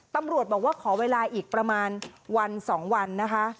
ตำรวจบอกว่าขอเวลาอีกประมาณวัน๒วันนะคะ